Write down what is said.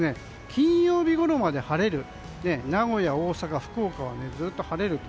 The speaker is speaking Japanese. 金曜日ごろまで晴れて名古屋、大阪、福岡はずっと晴れる。